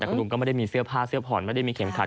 แต่คุณลุงก็ไม่ได้มีเสื้อผ้าเสื้อผ่อนไม่ได้มีเข็มขัด